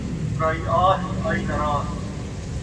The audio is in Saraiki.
پرائی آس، آئی ناں راس